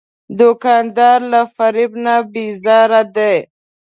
دوکاندار له فریب نه بیزاره دی.